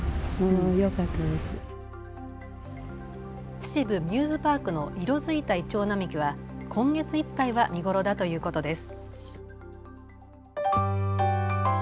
秩父ミューズパークの色づいたイチョウ並木は今月いっぱいは見頃だということです。